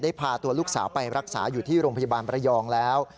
พาตัวลูกสาวไปรักษาอยู่ที่โรงพยาบาลประยองแล้ว